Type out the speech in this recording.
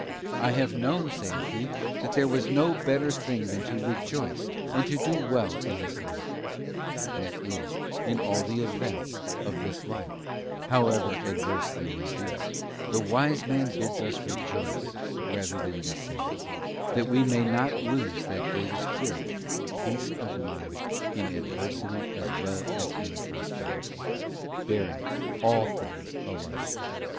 'I have known,' saith he, 'that there was no better thing than to rejoice, and to do well in his life ;' —that is, in all the events of this life, however adverse they may be, the Wise Man bids us rejoice rather than be sad, that we may not lose that greatest good, peace of mind in adversity as well as in prosperity, bearing all things alike.